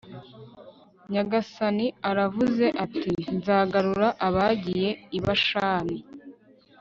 nyagasani aravuze ati nzagarura abagiye i bashani